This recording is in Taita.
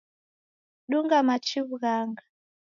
Dunga machi w'ughanga.